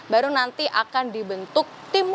baru nanti akan dibentuk tim